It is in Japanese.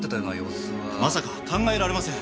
まさか考えられません。